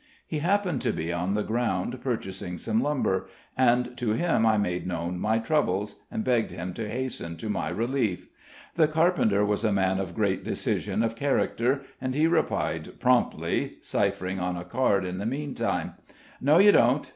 He happened to be on the ground purchasing some lumber, and to him I made known my troubles, and begged him to hasten to my relief. The carpenter was a man of great decision of character, and he replied promptly, ciphering on a card in the meantime: "No you don't.